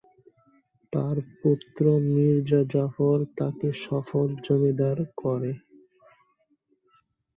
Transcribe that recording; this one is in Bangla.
তার পুত্র মির্জা জাফর তাকে সফল "জমিদার" করে।